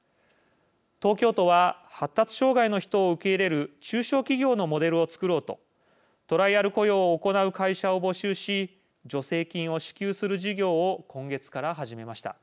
東京都は発達障害の人を受け入れる中小企業のモデルを創ろうとトライアル雇用を行う会社を募集し助成金を支給する事業を今月から始めました。